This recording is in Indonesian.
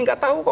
tidak tahu kok